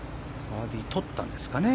バーディーをとったんですね。